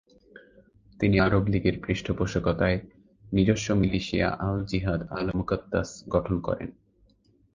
তিনি আরব লীগের পৃষ্ঠপোষকতায় নিজস্ব মিলিশিয়া আল-জিহাদ আল-মুকাদ্দাস গঠন করেন।